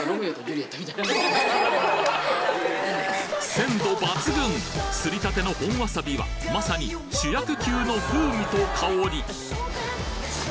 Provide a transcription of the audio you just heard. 鮮度抜群擦り立ての本わさびはまさに主役級の風味と香り